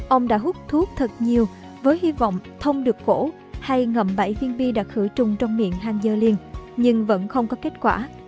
ông đã hút thuốc thật nhiều với hy vọng thông được cổ hay ngậm bảy viên bi đã khử trùng trong miệng hàng giờ liền nhưng vẫn không có kết quả